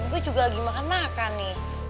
gue juga lagi makan makan nih